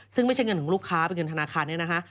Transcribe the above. ซึ่งไม่ใช่เงินของลูกค้าเป็นเงินธนาคารเนี่ยนะคะ